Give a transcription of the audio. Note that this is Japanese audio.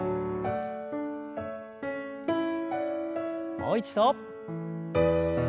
もう一度。